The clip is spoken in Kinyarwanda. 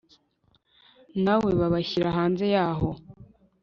na we babashyira hanze yaho